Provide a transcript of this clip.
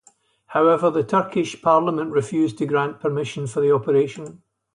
However, the Turkish parliament refused to grant permission for the operation.